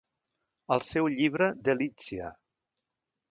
Al seu llibre Delizia!